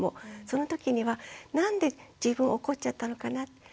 そのときにはなんで自分怒っちゃったのかなって。